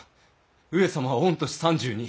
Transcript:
上様は御年３２。